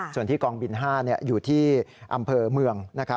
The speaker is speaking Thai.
ส่วนที่กองบิน๕อยู่ที่อำเภอเมือง